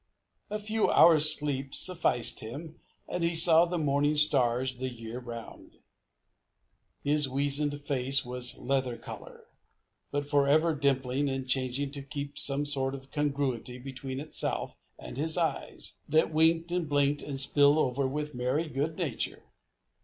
A few hours' sleep sufficed him, and he saw the morning stars the year round. His weazened face was leather color, but forever dimpling and changing to keep some sort of congruity between itself and his eyes, that winked and blinked and spilled over with merry good nature.